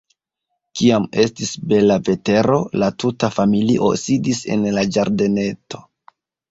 Kiam estis bela vetero, la tuta familio sidis en la ĝardeneto.